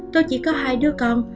tôi chỉ có hai đứa con